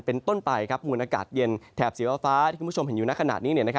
เป็นต้นไปมูลอากาศเย็นแถบสีฟ้าที่คุณผู้ชมเห็นอยู่ในขณะนี้